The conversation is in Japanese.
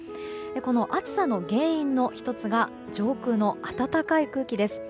この暑さの原因の１つが上空の暖かい空気です。